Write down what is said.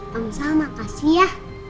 pamsal makasih ya